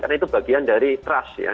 karena itu bagian dari trust ya